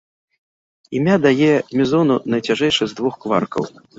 Імя дае мезону найцяжэйшы з двух кваркаў.